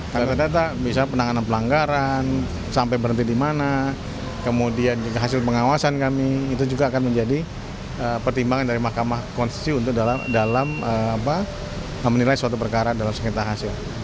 karena ternyata bisa penanganan pelanggaran sampai berhenti di mana kemudian juga hasil pengawasan kami itu juga akan menjadi pertimbangan dari mahkamah konstitusi untuk dalam menilai suatu perkara dalam sekitar hasil